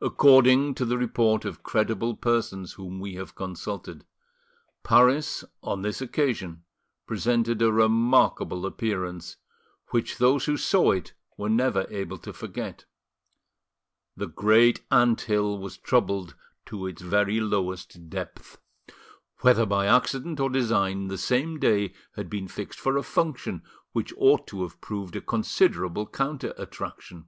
According to the report of credible persons whom we have consulted, Paris on this occasion presented a remarkable appearance, which those who saw it were never able to forget. The great anthill was troubled to its very lowest depth. Whether by accident or design, the same day had been fixed for a function which ought to have proved a considerable counter attraction.